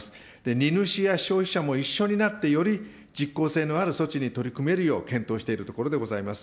荷主や消費者も一緒になって、より実効性のある措置に取り組めるよう検討しているところでございます。